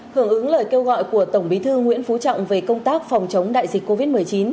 hưởng ứng lời kêu gọi của tổng bí thư nguyễn phú trọng về công tác phòng chống đại dịch covid một mươi chín